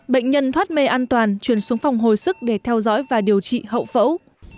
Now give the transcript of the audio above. bệnh nhân thoát mê an toàn chuyển xuống phòng hồi sức để theo dõi và điều trị hậu phẫu